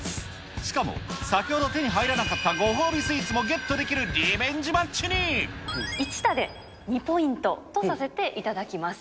しかも、先ほど手に入らなかったご褒美スイーツもゲットできるリベンジマ１打で２ポイントとさせていただきます。